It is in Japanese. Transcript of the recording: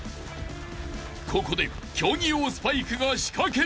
［ここで競技用スパイクが仕掛ける］